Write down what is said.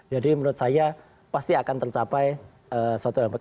jadi menurut saya pasti akan tercapai suatu yang baik